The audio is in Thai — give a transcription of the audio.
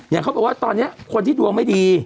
เขาบอกว่าตอนนี้คนที่ดวงไม่ดี